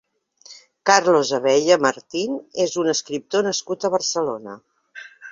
Carlos Abella Martín és un escriptor nascut a Barcelona.